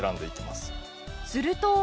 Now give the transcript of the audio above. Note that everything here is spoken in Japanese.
すると。